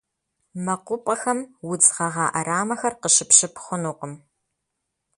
МэкъупӀэхэм удз гъэгъа Ӏэрамэхэр къыщыпщып хъунукъым.